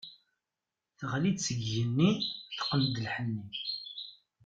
Teɣli-d seg igenni, teqqen-d lḥenni.